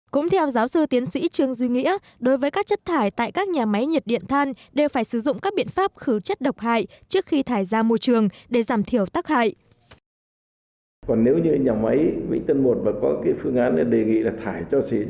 cũng theo giáo sư tiến sĩ trương duy nghĩa đối với các chất thải tại các nhà máy nhiệt điện than đều phải sử dụng các biện pháp khử chất độc hại trước khi thải ra môi trường để giảm thiểu tắc hại